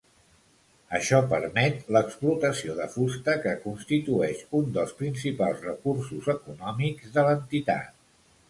Això permet l'explotació de fusta, que constitueix un dels principals recursos econòmics de l'entitat.